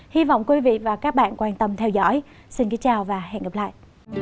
hy vọng quý vị và các bạn quan tâm theo dõi xin kính chào và hẹn gặp lại